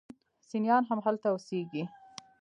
سنیان هم هلته اوسیږي.